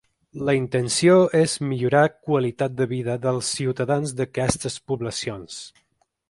La intenció és millorar qualitat de vida dels ciutadans d’aquestes poblacions.